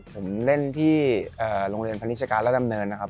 ผมเล่นที่โรงเรียนพนิชการและดำเนินนะครับ